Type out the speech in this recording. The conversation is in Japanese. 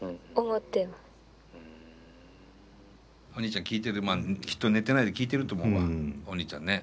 お兄ちゃん聴いてるまあきっと寝てないで聞いてると思うわお兄ちゃんね。